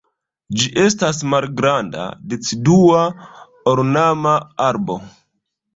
Ĝi estas malgranda, decidua, ornama arbo.